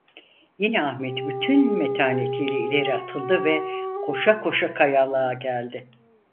Yine Ahmet bütün metanetiyle ileriye atıldı ve koşa koşa kayalığa geldi.